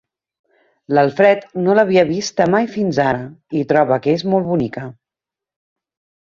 L'Afred no l'havia vista mai fins ara, i troba que és molt bonica.